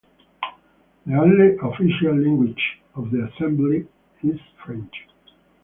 The only official language of the Assembly is French.